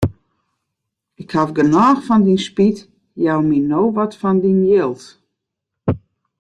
Ik haw genôch fan dyn spyt, jou my no wat fan dyn jild.